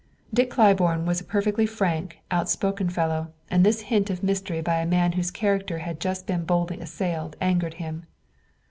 Dick Claiborne was a perfectly frank, outspoken fellow, and this hint of mystery by a man whose character had just been boldly assailed angered him.